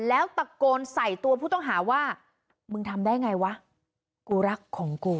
แล้วตะโกนใส่ตัวผู้ต้องหาว่ามึงทำได้ไงวะกูรักของกู